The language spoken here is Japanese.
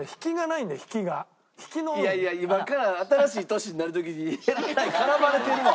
いやいや今から新しい年になる時にえらい絡まれてるわ。